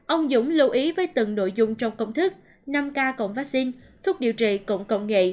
ông dũng lưu ý với từng nội dung trong công thức năm k cộng vaccine thuốc điều trị cộng công nghệ